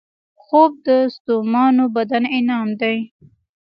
خوب د ستومانو بدن انعام دی